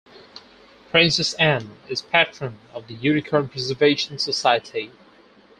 Princess Anne is patron of the Unicorn Preservation Society.